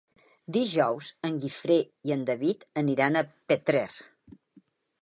Dijous en Guifré i en David aniran a Petrer.